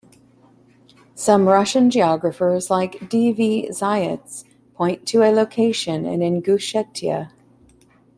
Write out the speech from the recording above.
Some Russian geographers, like D. V. Zayats, point to a location in Ingushetia.